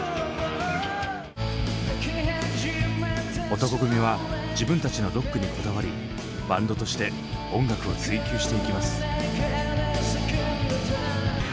男闘呼組は自分たちのロックにこだわりバンドとして音楽を追求していきます。